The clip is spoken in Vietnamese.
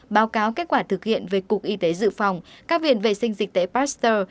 báo cáo kết quả thực hiện về cục y tế dự phòng các viện vệ sinh dịch tế pasteur